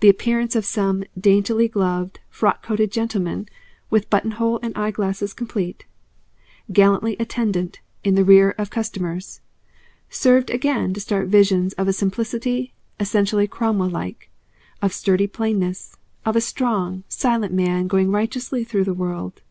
The appearance of some daintily gloved frockcoated gentleman with buttonhole and eyeglass complete, gallantly attendant in the rear of customers, served again to start visions of a simplicity essentially Cromwell like, of sturdy plainness, of a strong, silent man going righteously through the world.